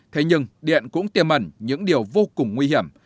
thế nhưng điện cũng tiềm ẩn những điều vô cùng nguy hiểm